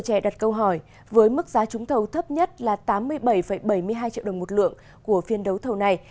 các trẻ đặt câu hỏi với mức giá trúng thầu thấp nhất là tám mươi bảy bảy mươi hai triệu đồng một lượng của phiên đấu thầu này